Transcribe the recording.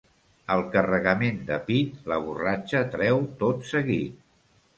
El carregament de pit, la borratja treu tot seguit.